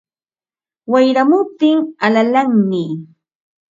Wayramuptin alalanmi